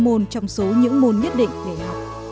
một số những môn nhất định để học